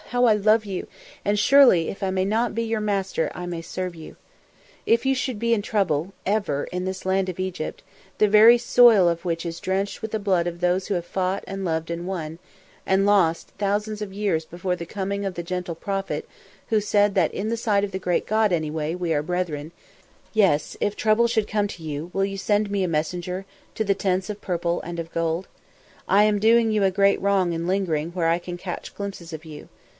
how I love you, and surely, if I may not be your master I may serve you. If you should be in trouble ever in this land of Egypt, the very soil of which is drenched with the blood of those who have fought, and loved, and won, and lost thousands of years before the coming of the gentle prophet who said that in the sight of the great God, anyway, we are brethren yes, if trouble should come to you, will you send me a messenger to the Tents of Purple and of Gold? I am doing you a great wrong in lingering where I can catch glimpses of you.